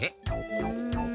うん。